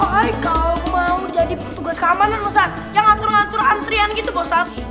kalau mau jadi tugas keamanan ustadz yang ngatur ngatur antrian gitu ustadz